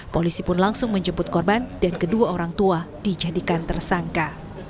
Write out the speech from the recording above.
polisi pun langsung menjemput korban dan kedua orang tua dijadikan tersangka